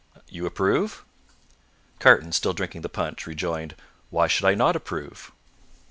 "You approve?" Carton, still drinking the punch, rejoined, "Why should I not approve?"